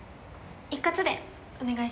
一括でお願いします。